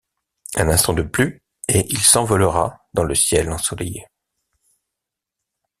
Un instant de plus, et il s'envolera dans le ciel ensoleillé.